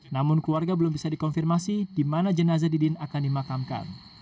namun keluarga belum bisa dikonfirmasi di mana jenazah didin akan dimakamkan